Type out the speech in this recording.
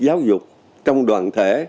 giáo dục trong đoàn thể